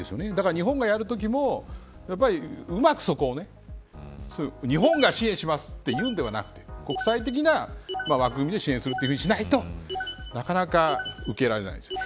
日本が言うときもうまくそこを日本が支援しますというのでなく国際的な枠組みで支援するというふうにしないとなかなか受け入れられないですよ。